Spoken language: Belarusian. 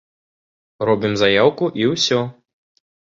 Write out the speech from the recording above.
Робім заяўку, і ўсё.